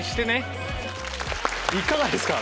いかがですか？